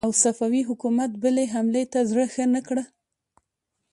او صفوي حکومت بلې حملې ته زړه ښه نه کړ.